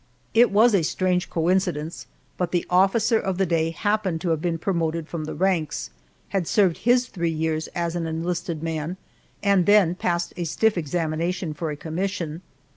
It was a strange coincidence, but the officer of the day happened to have been promoted from the ranks, had served his three years as an enlisted man, and then passed a stiff examination for a commission.